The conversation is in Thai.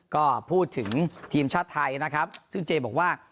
ก็พูดถึงทีมชาติไทยนะครับซึ่งเจบอกว่า